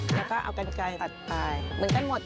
แล้วก็เอากันไกลตัดไปเหมือนกันหมด